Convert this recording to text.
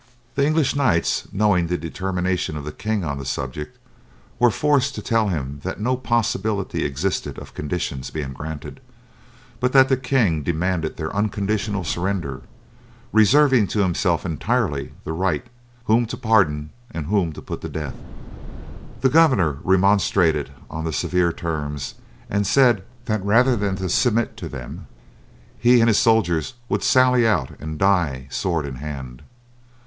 The English knights, knowing the determination of the king on the subject, were forced to tell him that no possibility existed of conditions being granted, but that the king demanded their unconditional surrender, reserving to himself entirely the right whom to pardon and whom to put to death. The governor remonstrated on the severe terms, and said that rather than submit to them he and his soldiers would sally out and die sword in hand.